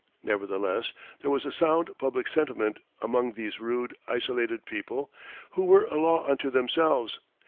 Nevertheless, there was a sound public sentiment among these rude, isolated people, who were a law unto themselves.